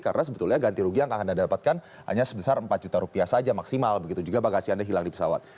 karena sebetulnya ganti rugi yang akan anda dapatkan hanya sebesar empat juta rupiah saja maksimal begitu juga bagasi anda hilang di pesawat